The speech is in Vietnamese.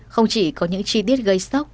không chỉ có những chi tiết gây sốc